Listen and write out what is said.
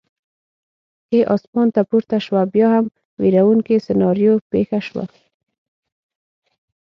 کې اسمان ته پورته شوه، بیا هم وېروونکې سناریو پېښه شوه.